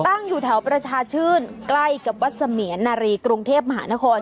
ตั้งอยู่แถวประชาชื่นใกล้กับวัดเสมียนนารีกรุงเทพมหานคร